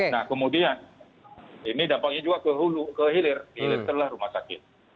nah kemudian ini dampaknya juga ke hilir hilir setelah rumah sakit